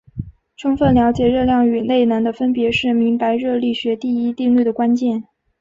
充分了解热量与内能的分别是明白热力学第一定律的关键。